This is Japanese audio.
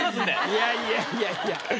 いやいやいやいや。